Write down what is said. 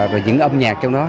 và những âm nhạc trong đó